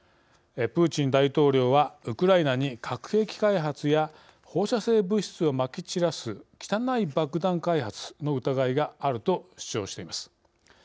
プーチン大統領はウクライナに核兵器開発や放射性物質をまき散らす汚い爆弾開発の疑いがあると主張しています。